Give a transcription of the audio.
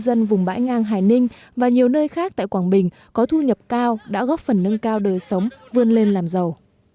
dân vùng bãi ngang hải ninh và nhiều nơi khác tại quảng bình có thu nhập cao đã góp phần nâng cao đời sống vươn lên làm giàu